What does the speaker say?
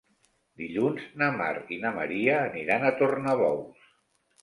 Dilluns na Mar i na Maria aniran a Tornabous.